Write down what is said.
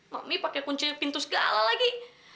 mami pake kunci pintu segala lagi